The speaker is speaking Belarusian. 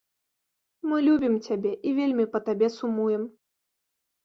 Мы любім цябе і вельмі па табе сумуем.